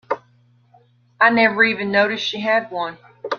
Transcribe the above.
I never even noticed she had one.